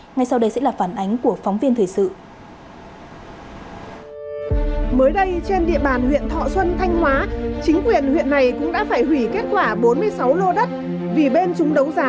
ngay sau đây sẽ là phản ánh của phóng viên thời sự